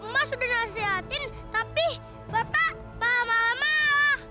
mas sudah nasihatin tapi bapak marah marah